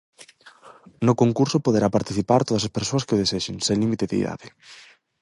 No concurso poderá participar todas as persoas que o desexen, sen límite de idade.